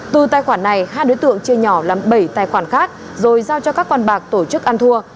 từ tài khoản này hai đối tượng chia nhỏ làm bảy tài khoản khác rồi giao cho các con bạc tổ chức ăn thua